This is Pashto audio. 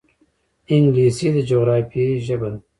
انګلیسي د جغرافیې ژبه ده